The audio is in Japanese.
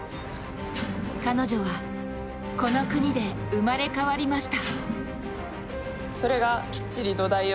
彼女はこの国で生まれ変わりました。